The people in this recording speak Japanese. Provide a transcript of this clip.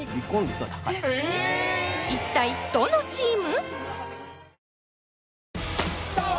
一体どのチーム？